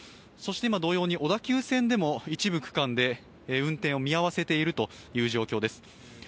そして今、同様に小田急線でも一部区間で運転を見合わせているという状況です。